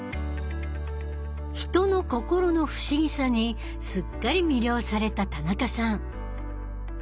人の心の不思議さにすっかり魅了された田中さん。